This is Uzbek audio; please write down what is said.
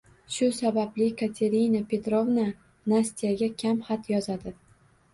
Shu sababli Katerina Petrovna Nastyaga kam xat yozadi.